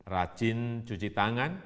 rajin cuci tangan